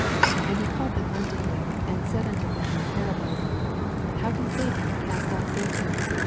23 And he called them unto him, and said unto them in parables, How can Satan cast out Satan